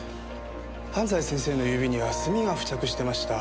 安西先生の指には炭が付着してました。